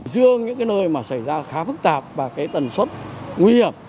riêng những cái nơi mà xảy ra khá phức tạp và cái tần suất nguy hiểm